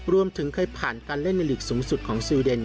รวมถึงเคยผ่านการเล่นในหลีกสูงสุดของซีเดน